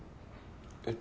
えっ？